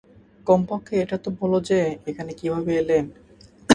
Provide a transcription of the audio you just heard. কমপক্ষে এটা তো বলো যে, এখানে কীভাবে এলে?